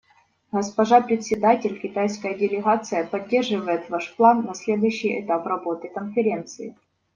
Госпожа Председатель, китайская делегация поддерживает ваш план на следующий этап работы Конференции.